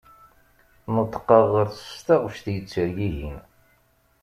Neṭqeɣ ɣer-s s taɣect yettergigin.